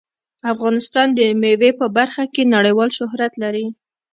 افغانستان د مېوې په برخه کې نړیوال شهرت لري.